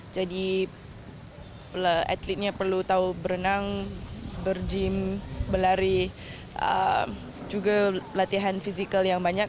jadi atletnya perlu tahu berenang berjim berlari juga latihan fizikal yang banyak